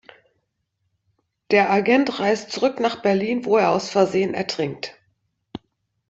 Der Agent reist zurück nach Berlin, wo er aus Versehen ertrinkt.